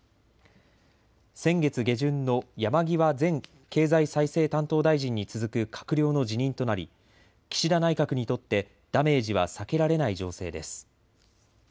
先月下旬の山際前経済再生担当大臣に続く閣僚の辞任となり、岸田内閣にとってダメージは避けられない情勢です。